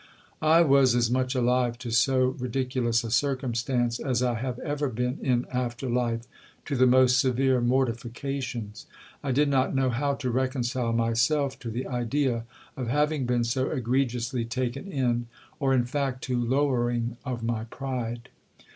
I was as much alive to so ridiculous a circumstance, as I have ever been in after life to the most severe mortifications. I did not know how to reconcile myself to the idea of having been so egregiously taken in, or, in fact, to lowering of my pride.